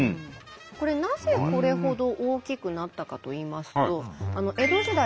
これなぜこれほど大きくなったかといいますと江戸時代